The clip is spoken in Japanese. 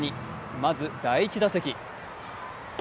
まず第１打席。